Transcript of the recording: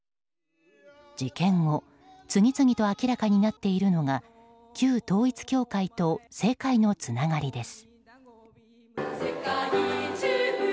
事件後次々と明らかになっているのが旧統一教会と政界のつながりです。